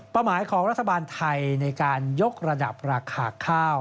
หมายของรัฐบาลไทยในการยกระดับราคาข้าว